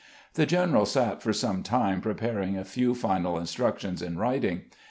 The general sat for some time preparing a few final instructions in writing.